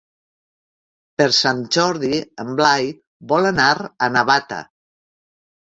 Per Sant Jordi en Blai vol anar a Navata.